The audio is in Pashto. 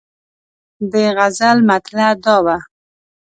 د غزل مطلع دا وه.